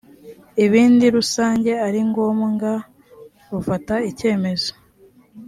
ibindi rusanze ari ngombwa rufata icyemezo